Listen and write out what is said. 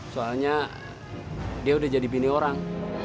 soalnya dia udah jadi bini orang